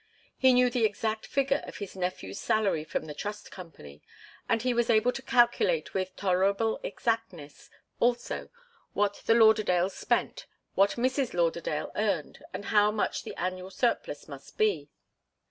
He knew the exact figure of his nephew's salary from the Trust Company, and he was able to calculate with tolerable exactness, also, what the Lauderdales spent, what Mrs. Lauderdale earned and how much the annual surplus must be.